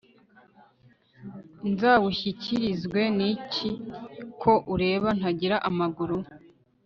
nzawushyikirizwe niki ko ureba ntagira amaguru